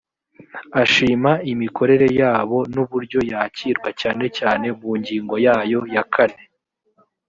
ashima imikorere yabo n’uburyo yakirwa cyane cyane mu ngingo yayo ya kane